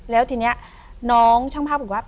แล้วทีนี้น้องช่างภาพบอกว่า